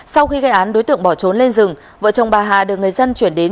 sau khi gây án đối tượng bỏ trốn lên rừng vợ chồng bà hà được người dân chuyển đến